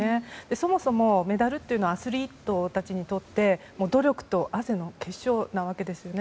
そもそもメダルというのはアスリートたちにとって努力と汗の結晶なわけですよね。